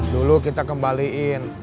dulu kita kembaliin